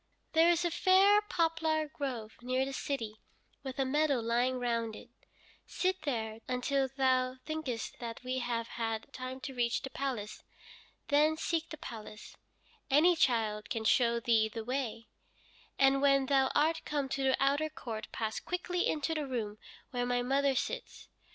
There is a fair poplar grove near the city, with a meadow lying round it. Sit there until thou thinkest that we have had time to reach the palace. Then seek the palace any child can show thee the way and when thou art come to the outer court pass quickly into the room where my mother sits.